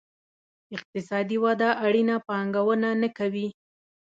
اقتصادي وده اړینه پانګونه نه کوي.